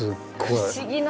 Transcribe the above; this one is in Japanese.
不思議な。